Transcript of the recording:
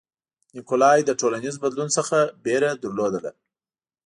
نیکولای له ټولنیز بدلون څخه وېره لرله.